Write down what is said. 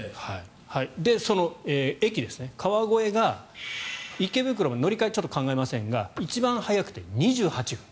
その駅ですね、川越が池袋まで乗り換えは考えませんが一番早くて２８分。